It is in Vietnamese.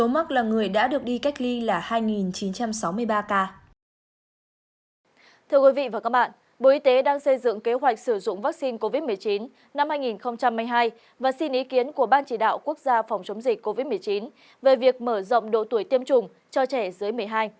bộ y tế đang xây dựng kế hoạch sử dụng vaccine covid một mươi chín năm hai nghìn hai mươi hai và xin ý kiến của ban chỉ đạo quốc gia phòng chống dịch covid một mươi chín về việc mở rộng độ tuổi tiêm chủng cho trẻ dưới một mươi hai